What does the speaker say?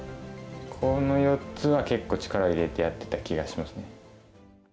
この４つは結構力を入れてやってた気がしますね。